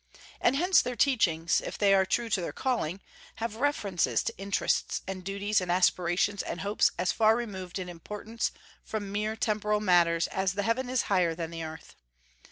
And hence their teachings, if they are true to their calling, have reference to interests and duties and aspirations and hopes as far removed in importance from mere temporal matters as the heaven is higher than the earth.